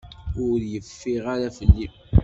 Ur yeffiɣ ara fell-i.